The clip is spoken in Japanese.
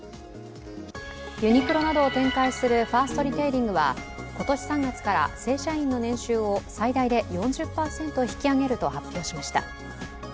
ユニクロなどを展開するファーストリテイリングは今年３月から正社員の年収を最大で４０％引き上げると発表しました。